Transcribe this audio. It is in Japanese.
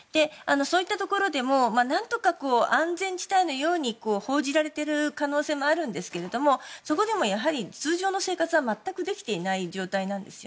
そういったところでも何とか安全地帯のように報じられている可能性もあるんですけどそこでも、やはり通常の生活は全くできていない状態なんです。